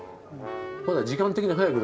まだ時間的に早くないの？